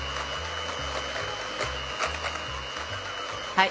はい。